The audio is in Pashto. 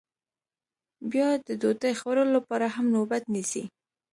بیا د ډوډۍ خوړلو لپاره هم نوبت نیسي